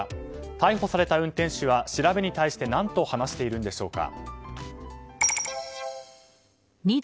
逮捕された運転手は調べに対して何と話しているんでしょうか。